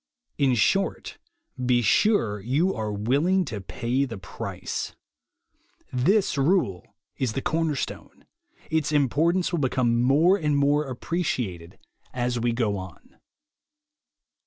In short, be sure you are willing to pay the price. This rule is the corner stone. Its importance will become more and more appreciated as we go on.